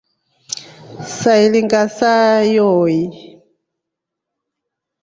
Sailinga saa yooyi.